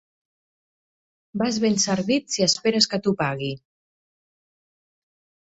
Vas ben servit si esperes que t'ho pagui.